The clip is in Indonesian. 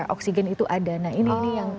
oksigen itu ada nah ini yang